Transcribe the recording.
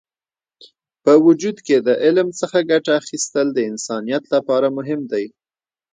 په وجود کې د علم څخه ګټه اخیستل د انسانیت لپاره مهم دی.